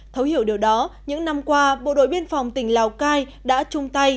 thấu hiểu điều đó những năm qua bộ đội biên phòng tỉnh lào cai đã chung tay